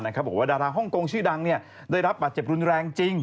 บอกว่าดาราฮ่องกงชื่อดังได้รับบาดเจ็บรุนแรงจริง